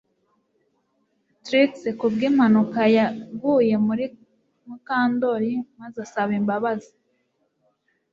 Trix ku bwimpanuka yaguye muri Mukandoli maze asaba imbabazi